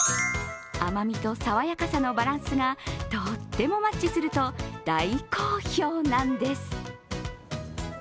甘みと爽やかさのバランスがとってもマッチすると大好評なんです。